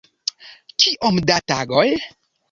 Kiom da tagoj?